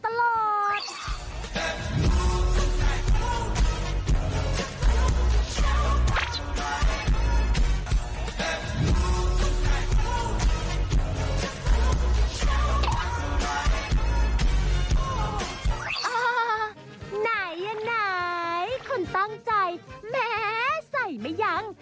อ่าไหนคนตั้งใจแม้ใส่มั้ยยัง